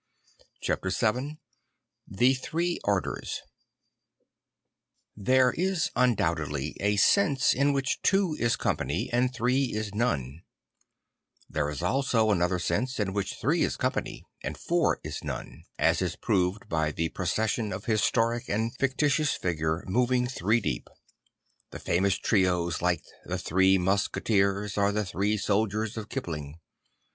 Chapter 1711 'Ihe 'Ihree Orders THERE is undoubtedly a sense in which two is company and three is none; there is also another sense in which three is company and four is none, as is proved by the procession of historic and fictitious figures moving three deep, the famous trios like the Three Musketeers or the Three Soldiers of Kipling.